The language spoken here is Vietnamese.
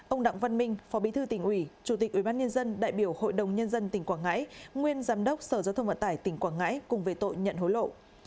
bốn ông đặng văn minh phó bí thư tỉnh ủy chủ tịch ủy ban nhân dân đại biểu hội đồng nhân dân tỉnh quảng ngãi nguyên giám đốc sở giáo thông vận tải tỉnh quảng ngãi cùng về tội nhận hối lộ